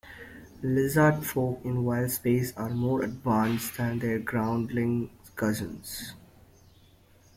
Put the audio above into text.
Lizardfolk in wildspace are more advanced than their groundling cousins.